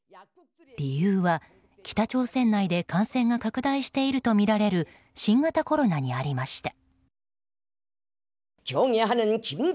理由は北朝鮮内で感染が拡大しているとみられる新型コロナにありました。